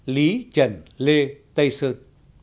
lý trần lê tây sơn